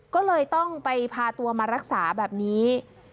ก็เลยต้องไปพาตัวมารักษาแบบนี้